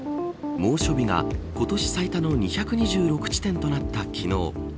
猛暑日が今年最多の２２６地点となった昨日。